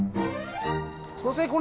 すみません。